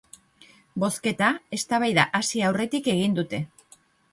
Bozketa eztabaida hasi aurretik egin dute.